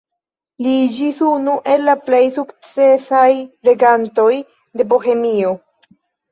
Li iĝis unu el la plej sukcesaj regantoj de Bohemio.